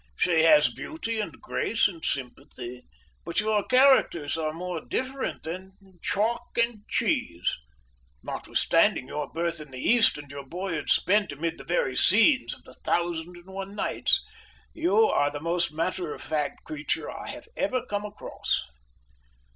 She has beauty and grace and sympathy. But your characters are more different than chalk and cheese. Notwithstanding your birth in the East and your boyhood spent amid the very scenes of the Thousand and One Nights, you are the most matter of fact creature I have ever come across."